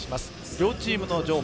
両チームの情報